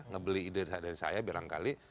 ngebeli ide dari saya barangkali